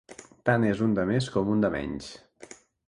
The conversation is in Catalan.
Tant és un de més com un de menys.